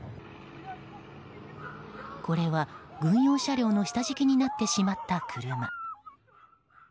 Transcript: これは軍用車両の下敷きになってしまった車。